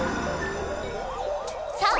さあ！